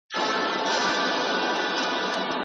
اګوستين ويلي دي چي وژنې او چور ډېر دردونکي وو.